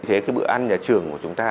thế cái bữa ăn nhà trường của chúng ta